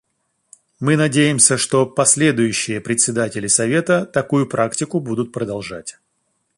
Мы надеемся, что последующие председатели Совета такую практику будут продолжать.